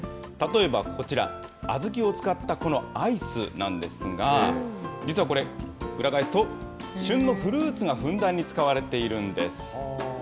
例えばこちら、小豆を使ったこのアイスなんですが、実はこれ、裏返すと、旬のフルーツがふんだんに使われているんです。